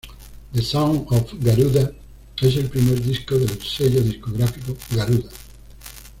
The Sound Of Garuda es el primer disco del sello discográfico Garuda.